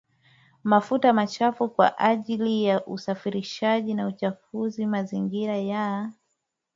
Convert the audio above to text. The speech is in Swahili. mafuta machafu kwa ajili ya usafirishaji na uchafuzi wa mazingira ya